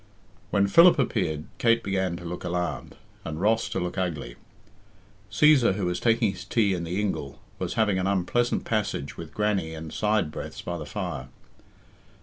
When Philip appeared, Kate began to look alarmed, and Ross to look ugly. Cæsar, who was taking his tea in the ingle, was having an unpleasant passage with Grannie in side breaths by the fire.